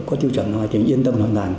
có tiêu chuẩn nào thì yên tâm hoàn toàn